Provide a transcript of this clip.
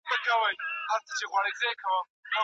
پېښې ولې او څنګه کيږي.